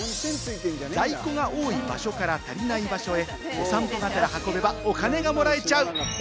在庫が多い場所から足りない場所へお散歩がてら運べば、お金がもらえちゃう！